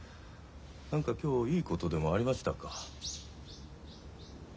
何か今日いいことでもありましたか？